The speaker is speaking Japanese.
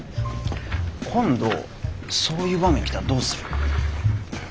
今度そういう場面来たらどうする？